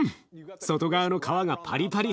外側の皮がパリパリ。